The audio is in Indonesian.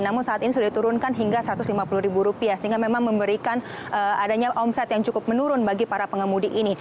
namun saat ini sudah diturunkan hingga rp satu ratus lima puluh ribu rupiah sehingga memang memberikan adanya omset yang cukup menurun bagi para pengemudi ini